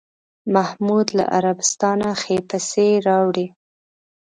محمود له عربستانه ښې پسې راوړې.